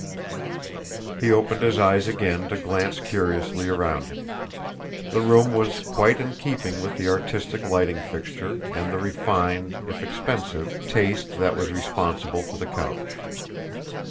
He opened his eyes again to glance curiously around him. The room was quite in keeping with the artistic lighting fixture and the refined, if expensive, taste that was responsible for the couch.